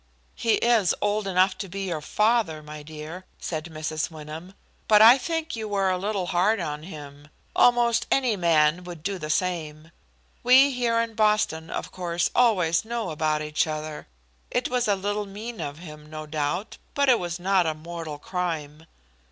"He is old enough to be your father, my dear," said Mrs. Wyndham; "but I think you were a little hard on him. Almost any man would do the same. We here in Boston, of course, always know about each other. It was a little mean of him, no doubt, but it was not a mortal crime."